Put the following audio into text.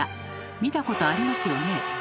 見たことありますよね。